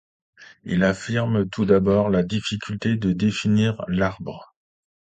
Il affirme tout d'abord la difficulté de définir l'arbre.